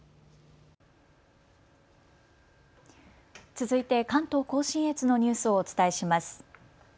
続いて関東甲信越のニュースをお伝えします。